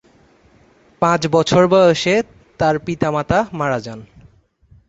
পাঁচ বছর বয়সে তার পিতা-মাতা মারা যান।